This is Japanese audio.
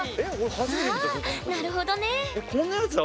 ああなるほどね。